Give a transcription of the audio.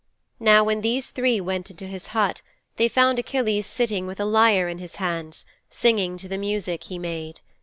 Now when these three went into his hut they found Achilles sitting with a lyre in his hands, singing to the music he made.